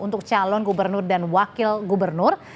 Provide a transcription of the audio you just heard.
untuk calon gubernur dan wakil gubernur